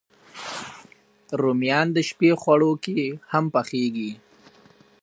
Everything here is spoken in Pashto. رومیان د شپی خواړو کې هم پخېږي